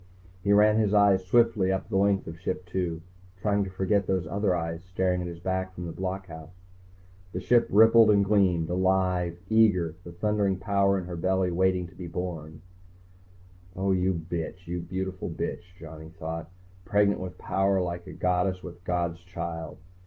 He ran his eyes swiftly up the length of Ship II, trying to forget those other eyes staring at his back from the blockhouse. The Ship rippled and gleamed, alive, eager, the thundering power in her belly waiting to be born. Oh, you bitch! You beautiful bitch, Johnny thought. _Pregnant with power like a goddess with a god's child.